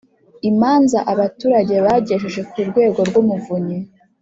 Imanza abaturage bagejeje ku Urwego rw Umuvunyi